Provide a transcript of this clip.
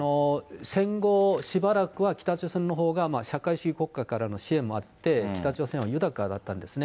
戦後しばらくは、北朝鮮のほうが社会主義国家からの支援もあって、北朝鮮は豊かだったんですね。